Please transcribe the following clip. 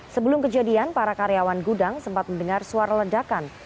sebelum kejadian para karyawan gudang sempat mendengar suara ledakan